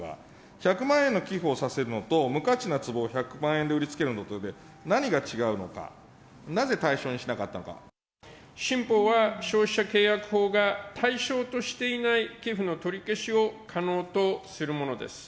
１００万円の寄付をさせるのと、無価値なつぼを１００万円で売りつけるのとで、何が違うのか、な新法は、消費者契約法が対象としていない寄付の取り消しを可能とするものです。